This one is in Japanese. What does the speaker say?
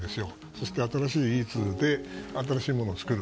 そして新しい技術で新しいものを作る。